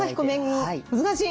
難しい。